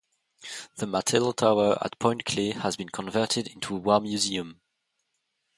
The Martello tower at Point Clear has been converted into a war museum.